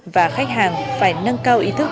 và khách hàng phải nâng cao ý thức